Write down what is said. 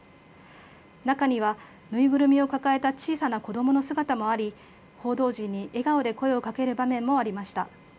中には縫いぐるみを抱えた小さな子どもの姿もあり、報道陣に笑顔で声をかける場面もありました。